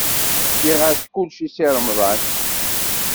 Fkiɣ-as kullec i Si Remḍan.